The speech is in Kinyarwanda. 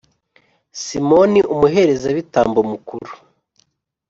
Simoni, umuherezabitambo mukuru